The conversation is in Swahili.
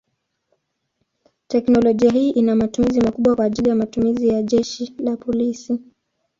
Teknolojia hii ina matumizi makubwa kwa ajili matumizi ya jeshi na polisi.